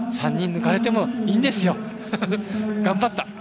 ３人抜かれてもいいんですよ。頑張った。